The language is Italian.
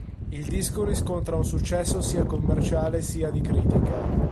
Il disco riscontra un successo sia commerciale sia di critica.